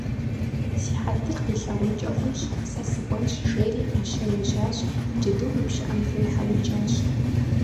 Си хьэтыр къилъагъункӏэ хъунщ, сэ сыкӏуэнщ, жери мыщэр ежьащ, джэдум и пщыӏэм техьэри джащ.